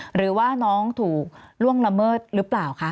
หรือว่าน้องถูกล่วงละเมิดหรือเปล่าคะ